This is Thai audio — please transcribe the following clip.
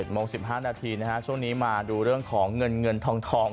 ๗โมง๑๕นาทีช่วงนี้มาดูเรื่องมือของเงินทอง